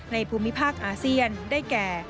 ภูมิภาคอาเซียนได้แก่